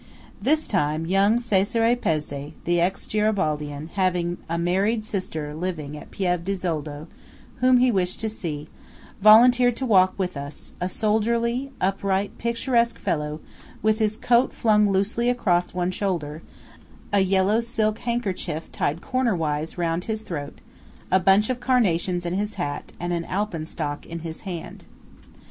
This time, young, Cesare Pezzé, the ex Garibaldian, having a married sister at Piève di Zoldo whom he wished to see, volunteered to walk with us–a soldierly, upright, picturesque fellow, with his coat flung loosely across one shoulder, a yellow silk handkerchief tied cornerwise round his throat, a bunch of carnations in his hat, and an alpenstock in his hand.